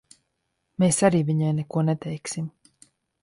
Mēs arī viņai neko neteiksim.